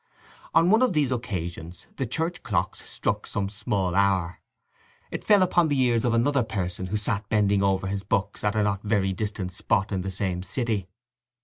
On one of these occasions the church clocks struck some small hour. It fell upon the ears of another person who sat bending over his books at a not very distant spot in the same city.